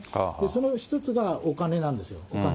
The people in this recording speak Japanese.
その一つがお金なんですよ、お金。